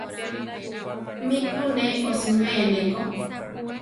Mí ku ne osimé ne ko.